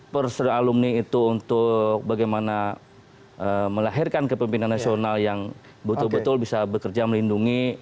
persaudara alumni itu untuk bagaimana melahirkan kepemimpinan nasional yang betul betul bisa bekerja melindungi